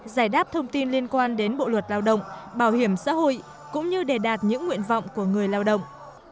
giải đáp thông tin liên quan đến bộ luật lao động bảo hiểm xã hội cũng như đề đạt những nguyện vọng của người lao động